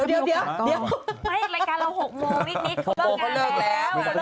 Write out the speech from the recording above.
ไงรายการเราหกโมงอีกนิดเข้าเลิกงานแล้ว